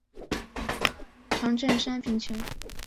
常赈赡贫穷。